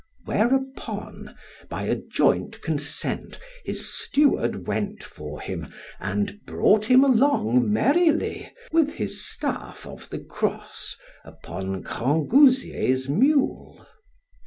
Whereupon, by a joint consent, his steward went for him, and brought him along merrily, with his staff of the cross, upon Grangousier's mule.